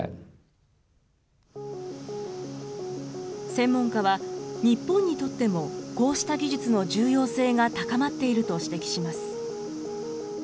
専門家は、日本にとっても、こうした技術の重要性が高まっていると指摘します。